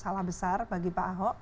salah besar bagi pak ahok